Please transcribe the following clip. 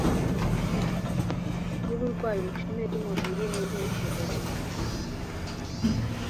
yuburwayi buca intege umubiri nintekerezo